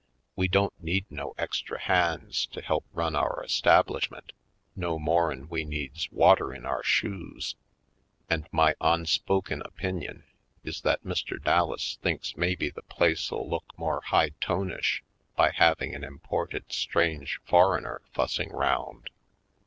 We don't need no extra hands to help run our estab lishment no more'n we needs water in our shoes, and my onspoken opinion is that Mr. Dallas thinks maybe the place '11 look more high tonish by having an imported strange foreigner fussing round.